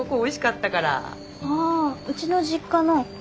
あうちの実家の。